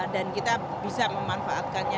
dan kita bisa memanfaatkannya